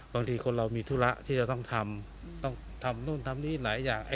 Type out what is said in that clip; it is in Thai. บางทีคนเรามีธุระที่จะต้องทำต้องทำนู่นทำนี่หลายอย่าง